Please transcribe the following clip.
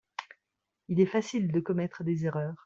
Il est facile de commettre des erreurs.